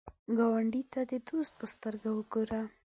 ګاونډي ته د دوست په سترګه وګوره